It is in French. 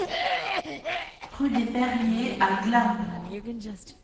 Rue des Perriers à Glun